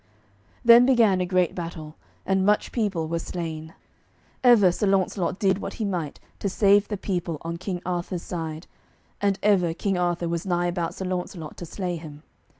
Then began a great battle, and much people was slain. Ever Sir Launcelot did what he might to save the people on King Arthur's side, and ever King Arthur was nigh about Sir Launcelot to slay him.